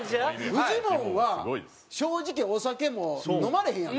フジモンは正直お酒も飲まれへんやん。